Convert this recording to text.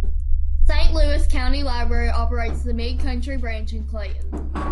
Saint Louis County Library operates the Mid-County Branch in Clayton.